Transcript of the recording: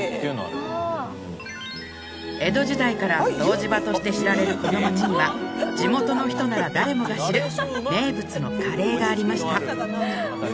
江戸時代から湯治場として知られるこの町には地元の人なら誰もが知る名物のカレーがありました